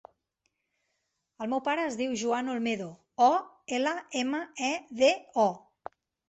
El meu pare es diu Joan Olmedo: o, ela, ema, e, de, o.